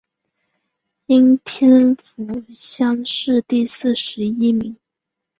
应天府乡试第四十一名。